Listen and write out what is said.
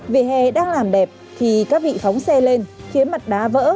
vỉa hè đang làm đẹp thì các vị phóng xe lên khiến mặt đá vỡ